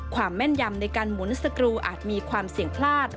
แม่นยำในการหมุนสกรูอาจมีความเสี่ยงพลาด